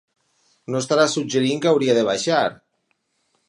No estaràs suggerint que hauria de baixar?